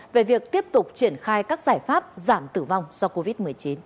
về việc tiếp tục triển khai các giải pháp giảm tử vong do covid một mươi chín